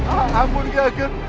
alhamdulillah ki ageng